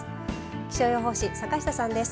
気象予報士、坂下さんです。